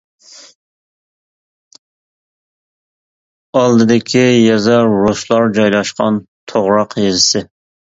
ئالدىدىكى يېزا رۇسلار جايلاشقان توغراق يېزىسى.